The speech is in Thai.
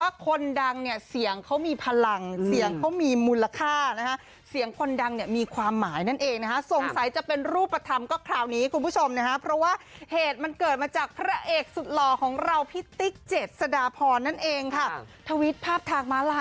คนดังเนี่ยเสียงเขามีพลังเสียงเขามีมูลค่านะฮะเสียงคนดังเนี่ยมีความหมายนั่นเองนะฮะสงสัยจะเป็นรูปธรรมก็คราวนี้คุณผู้ชมนะฮะเพราะว่าเหตุมันเกิดมาจากพระเอกสุดหล่อของเราพี่ติ๊กเจ็ดสดาพรนั่นเองค่ะทวิตภาพทางม้าลาย